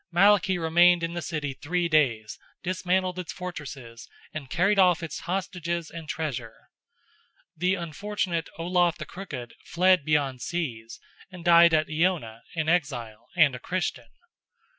Malachy remained in the city three days, dismantled its fortresses, and carried off its hostages and treasure. The unfortunate Olaf the Crooked fled beyond seas, and died at Iona, in exile, and a Christian.